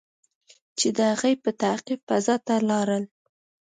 چې د هغې په تعقیب فضا ته لاړل.